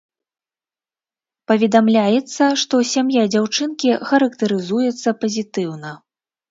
Паведамляецца, што сям'я дзяўчынкі характарызуецца пазітыўна.